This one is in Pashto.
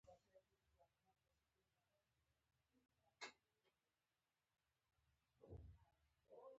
له چا سره به چې د لاس کوم خیر و.